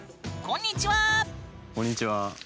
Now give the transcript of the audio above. こんにちはー！